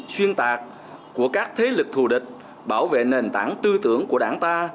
xuyên tạc của các thế lực thù địch bảo vệ nền tảng tư tưởng của đảng ta